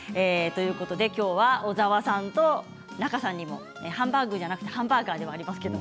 今日は小沢さんと仲さんにもハンバーグじゃなくてハンバーガーではありますけれども。